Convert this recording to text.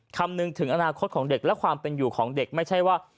คำนึงถึงอนาคตของเด็กและความเป็นอยู่ของเด็กไม่ใช่ว่า